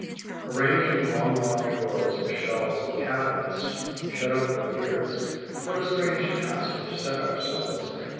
Arranging long locked drawers and shelves Of cabinets, shut up for years, What a strange task we've set ourselves!